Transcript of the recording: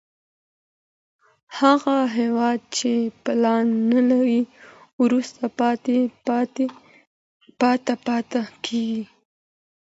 هغه هېواد چي پلان نلري، وروسته پاته پاته کېږي.